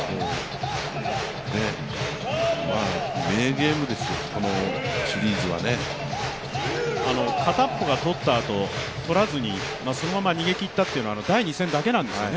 名ゲームですよ、このシリーズはね片方が取ったあと、取らずにそのまま逃げ切ったというのは第２戦だけなんですよね。